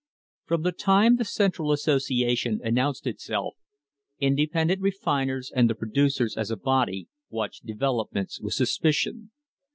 FROM the time the Central Association announced itself, independent refiners and the producers as a body watched developments with suspicion.